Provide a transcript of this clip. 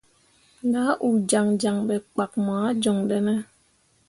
Nah uu jaŋjaŋ ɓe kpak moah joŋ ɗene.